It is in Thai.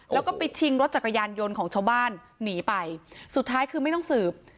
แล้วก็ไปชิงรถจักรยานยนต์ของชาวบ้านหนีไปสุดท้ายคือไม่ต้องสืบ